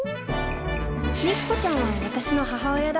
肉子ちゃんは私の母親だ